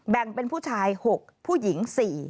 แบ่งเป็นผู้ชาย๖ผู้หญิง๔